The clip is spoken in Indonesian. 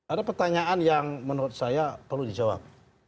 ada pertanyaan yang menurut saya perlu dijawab